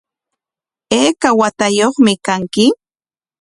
¿Ayka watayuqmi kanki?